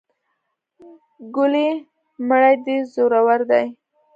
ګلې مړې دې زورور دي.